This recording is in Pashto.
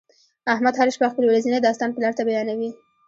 احمد هر شپه خپل ورځنی داستان پلار ته بیانوي.